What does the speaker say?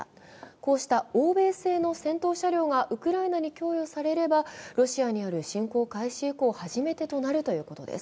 こうした欧米製の先頭車両がウクライナに供与されればロシアによる侵攻開始以降初めてとなるということです。